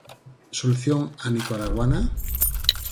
Solución "á nicaraguana"?